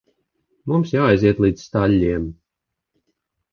Mums jāaiziet līdz staļļiem.